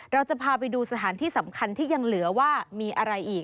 เราจะพาไปดูสถานที่สำคัญที่ยังเหลือว่ามีอะไรอีก